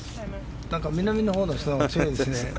南のほうの人のほうが強いですね。